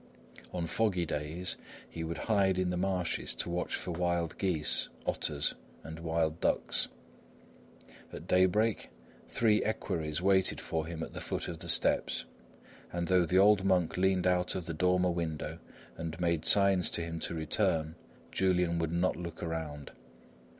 On foggy days, he would hide in the marshes to watch for wild geese, otters and wild ducks. At daybreak, three equerries waited for him at the foot of the steps; and though the old monk leaned out of the dormer window and made signs to him to return, Julian would not look around.